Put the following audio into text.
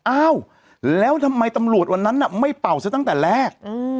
อ้าวแล้วทำไมตำรวจวันนั้นไม่เป่าซะตั้งแต่แรก